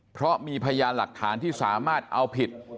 เพราะมีพยานหลักฐานที่สามารถเอาผิด